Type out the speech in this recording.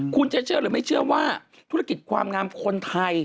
คุณจะเชื่อหรือไม่เชื่อว่าธุรกิจความงามคนไทย